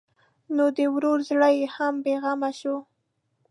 نو د ورور زړه یې هم بېغمه شو.